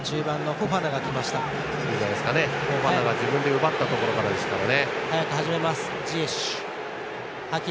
フォファナが自分で奪ったところからですからね。